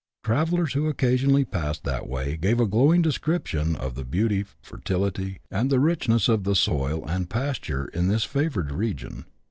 Travellers who occasionally passed that way gave a glowing description of the beauty, fertility, and the richness of the soil and pasture in this favoured region.